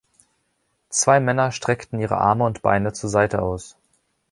Zwei Männer streckten ihre Arme und Beine zur Seite aus.